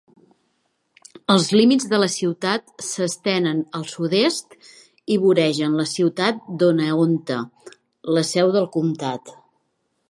Els límits de la ciutat s'estenen al sud-est i voregen la ciutat d'Oneonta, la seu del comtat.